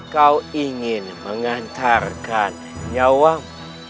kau ingin mengantarkan nyawamu